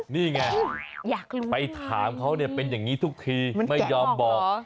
นี่ไงไปถามเขาเนี่ยเป็นอย่างนี้ทุกทีไม่ยอมบอก